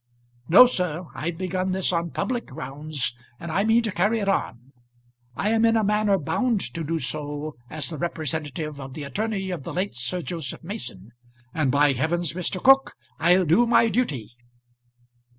No, sir; I've begun this on public grounds, and I mean to carry it on. I am in a manner bound to do so as the representative of the attorney of the late Sir Joseph Mason; and by heavens, Mr. Cooke, I'll do my duty."